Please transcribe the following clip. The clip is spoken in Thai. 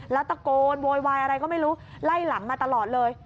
แล้วตะโกนโวยวายอะไรก็ไม่รู้ไล่หลังมาตลอดเลย